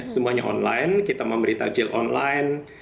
semuanya online kita memberi takjil online